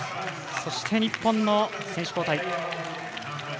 そして日本の選手交代。